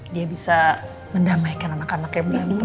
dia bisa mendamaikan anak anak yang membantu